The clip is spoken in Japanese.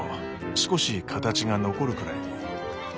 少し形が残るくらいに。